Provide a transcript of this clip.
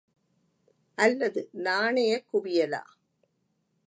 அல்லது நாணயக் குவியலா?